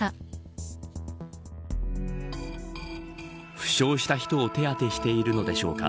負傷した人を手当しているのでしょうか。